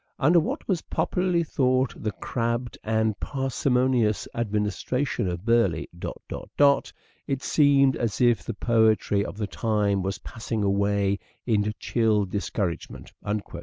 Under what was popularly thought the crabbed and parsimonious administration of Burleigh .... it seemed as if the poetry of the time was passing away in chill discouragement " (p. 107).